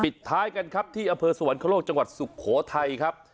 ท้ายกันครับที่อำเภอสวรรคโลกจังหวัดสุโขทัยครับ